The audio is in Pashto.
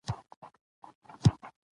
دا منفي ذهنیت څنګه ختم کړو؟